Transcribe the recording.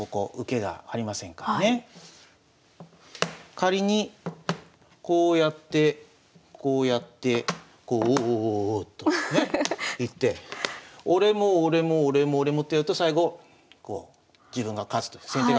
仮にこうやってこうやってこうおおおおとねいって俺も俺も俺も俺もってやると最後自分が勝つという先手が勝つという。